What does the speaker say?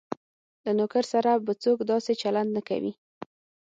له نوکر سره به څوک داسې چلند نه کوي.